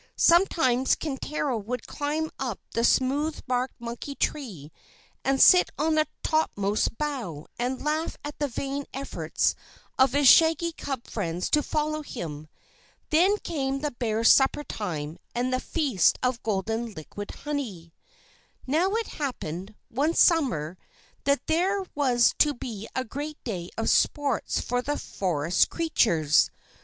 Sometimes Kintaro would climb up the smooth barked monkey tree, and sit on the topmost bough, and laugh at the vain efforts of his shaggy cub friends to follow him. Then came the bears' supper time, and the feast of golden liquid honey! Now, it happened, one Summer, that there was to be a great day of sports for the forest creatures.